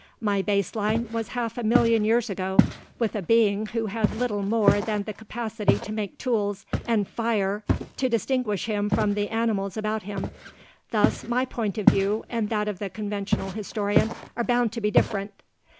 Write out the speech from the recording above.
My base line was half a million years ago with a being who had little more than the capacity to make tools and fire to distinguish him from the animals about him. Thus my point of view and that of the conventional historian are bound to be different.